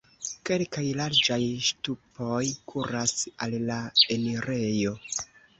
Kelkaj larĝaj ŝtupoj kuras al la enirejo.